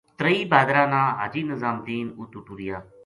ترئی بھادرا نا حاجی نظام دین اتو ٹریا۔